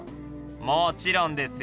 もちろんですよ。